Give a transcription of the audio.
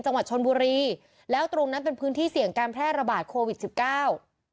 จังหวัดชนบุรีแล้วตรงนั้นเป็นพื้นที่เสี่ยงการแพร่ระบาดโควิดสิบเก้า